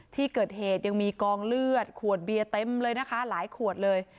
ที่เกิดเหตุยังมีกองเลือดขวดเบียร์เต็มเลยนะคะหลายขวดเลย